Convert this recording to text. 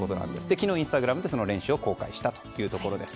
昨日、インスタグラムでその練習を公開したところです。